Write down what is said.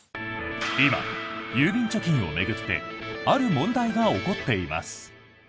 今、郵便貯金を巡ってある問題が起こっています。